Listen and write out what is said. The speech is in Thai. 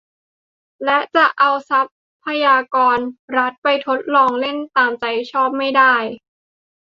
และจะเอาทรัพยากรรัฐไปทดลองเล่นตามใจชอบไม่ได้